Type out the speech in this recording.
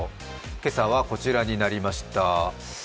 今朝はこちらになりました。